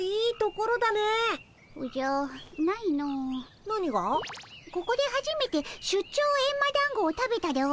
ここではじめて出張エンマだんごを食べたでおじゃる。